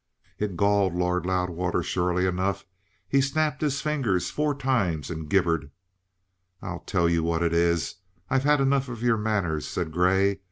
It galled Lord Loudwater surely enough; he snapped his fingers four times and gibbered. "I tell you what it is: I've had enough of your manners," said Grey.